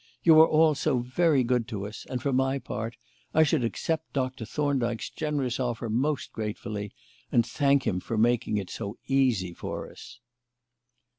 You are all so very good to us; and, for my part, I should accept Doctor Thorndyke's generous offer most gratefully, and thank him for making it so easy for us."